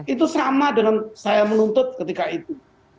itu sama dengan saya menuntut ketika itu